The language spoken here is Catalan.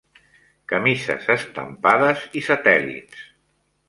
Camises estampades i satèl·lits.